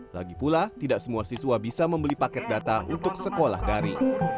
lagi pula tidak semua siswa bisa membeli paket data untuk sekolah dari